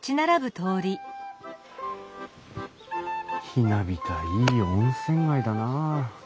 ひなびたいい温泉街だなあ。